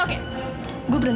bukan sosok sedih begitu